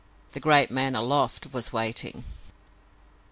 The great man aloft was waiting.